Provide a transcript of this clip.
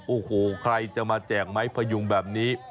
โอ้โหใครจะมาแจกไม้พยุงแบบนี้